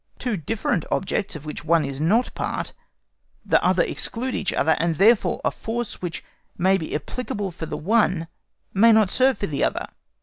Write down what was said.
Two different objects of which one is not part, the other exclude each other, and therefore a force which may be applicable for the one may not serve for the other.